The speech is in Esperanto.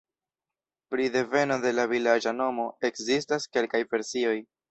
Pri deveno de la vilaĝa nomo ekzistas kelkaj versioj.